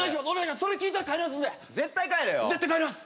それ聞いたら帰りますんで絶対帰れよ絶対帰ります